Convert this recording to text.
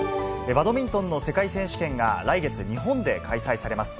バドミントンの世界選手権が来月、日本で開催されます。